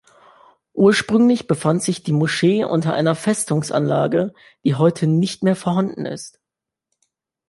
Ursprünglich befand sich die Moschee unter einer Festungsanlage, die heute nicht mehr vorhanden ist.